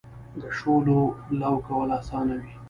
د شولو لو کول اسانه وي.